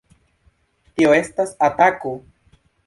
Tio estas atako!